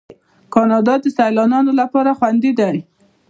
کاناډا د سیلانیانو لپاره خوندي ده.